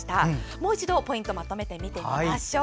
もう一度、ポイントをまとめて見てみましょう。